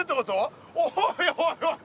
おいおいおい